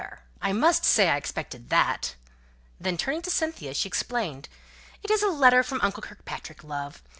I must say I expected that!" Then, turning to Cynthia, she explained "It is a letter from uncle Kirkpatrick, love.